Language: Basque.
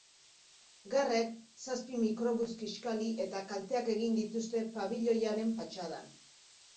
Garrek zazpi mikrobus kiskali eta kalteak egin dituzte pabiloiaren fatxadan.